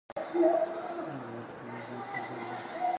Magwɛntaww: